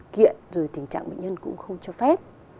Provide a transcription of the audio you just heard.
kiện rồi tình trạng bệnh nhân cũng không cho phép